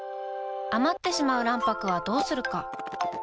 余ってしまう卵白はどうするか？